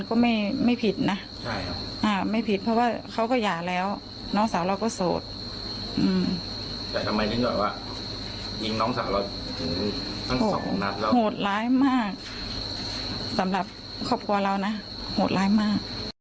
โถตรายมากสำหรับครอบครัวเรานะ